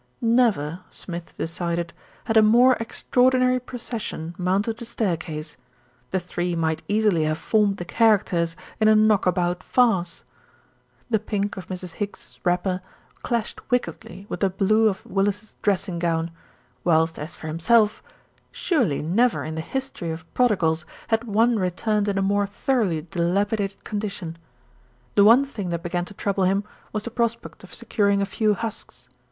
Never, Smith decided, had a more extraordinary procession mounted a staircase. The three might easily have formed the characters in a knock about farce. The pink of Mrs. Higgs's wrapper clashed wick edly with the blue of Willis' dressing gown, whilst as for himself, surely never in the history of prodigals had one returned in a more thoroughly dilapidated con dition. The one thing that began to trouble him was the prospect of securing a few husks.